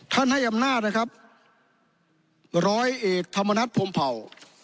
ให้อำนาจนะครับร้อยเอกธรรมนัฐพรมเผ่า